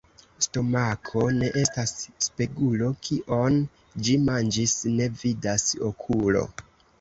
Stomako ne estas spegulo: kion ĝi manĝis, ne vidas okulo.